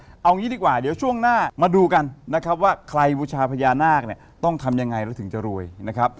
เอางี้ดีกว่าเดี๋ยวช่วงหน้ามาดูกันนะครับว่าใครบูชาพญานาคเนี่ยต้องทำยังไงแล้วถึงจะรวยนะครับ